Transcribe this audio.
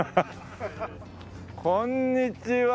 こんにちは。